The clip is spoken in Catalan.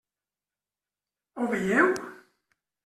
Ho veieu?